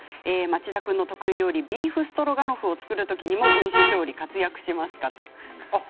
町田君の得意料理ビーフストロガノフを作る時にも分子調理、活躍しますか？